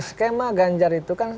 skema ganjar itu kan